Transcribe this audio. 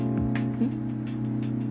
うん？